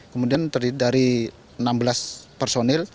kemudian terdiri dari enam belas personil